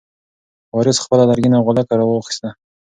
وارث خپله لرګینه غولکه راواخیسته.